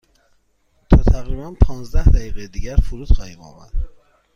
تا تقریبا پانزده دقیقه دیگر فرود خواهیم آمد.